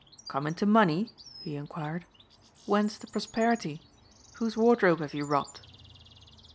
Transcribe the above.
"Come into money?" he enquired. "Whence the prosperity? Whose wardrobe have you robbed?"